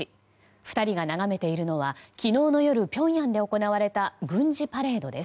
２人が眺めているのは昨日の夜、ピョンヤンで行われた軍事パレードです。